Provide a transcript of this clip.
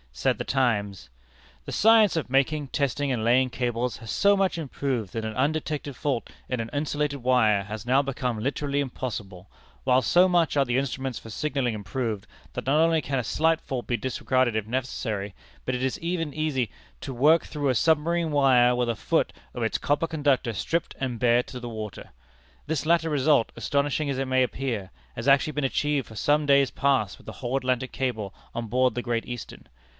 Said The Times: "The science of making, testing, and laying cables has so much improved that an undetected fault in an insulated wire has now become literally impossible, while so much are the instruments for signalling improved, that not only can a slight fault be disregarded if necessary, but it is even easy to work through a submarine wire with a foot of its copper conductor stripped and bare to the water. This latter result, astonishing as it may appear, has actually been achieved for some days past with the whole Atlantic cable on board the Great Eastern.